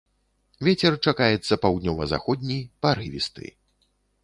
Вецер чакаецца паўднёва-заходні парывісты.